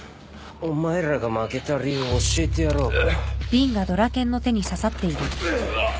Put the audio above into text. お前らが負けた理由教えてやろうか？